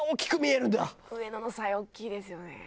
上野のサイ大きいですよね。